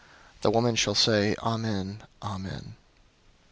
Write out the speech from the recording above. The woman shall say, 'Amen, Amen.'